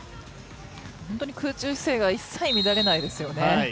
本当に空中姿勢が一切乱れないですよね。